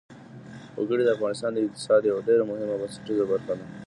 وګړي د افغانستان د اقتصاد یوه ډېره مهمه او بنسټیزه برخه ده.